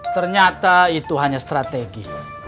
ternyata itu hanya strategi